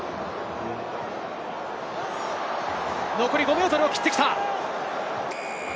残り５ｍを切ってきた！